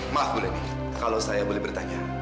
maaf boleh nih kalau saya boleh bertanya